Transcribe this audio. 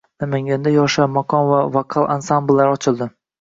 Namanganda yoshlar maqom va vokal ansambllari ochildi